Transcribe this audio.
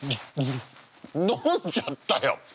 飲んじゃったよ！